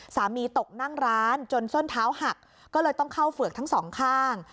ตกนั่งร้านจนส้นเท้าหักก็เลยต้องเข้าเฝือกทั้งสองข้าง